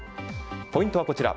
ポイントはこちら。